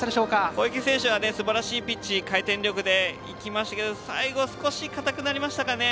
小池選手はすばらしいピッチ回転力でいきましたが最後、少し硬くなりましたかね。